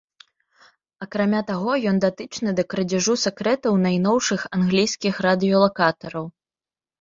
Акрамя таго ён датычны да крадзяжу сакрэтаў найноўшых англійскіх радыёлакатараў.